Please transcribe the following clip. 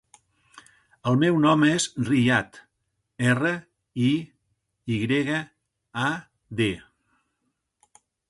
El meu nom és Riyad: erra, i, i grega, a, de.